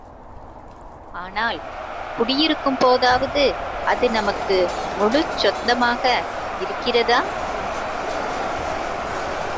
ஆனால் குடியிருக்கும் போதாவது அது நமக்கு முழுச் சொந்தமாக இருக்கிறதா?